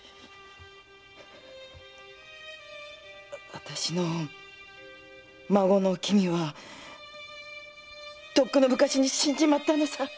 わたしの孫のおきみはとっくの昔に死んじまったんです。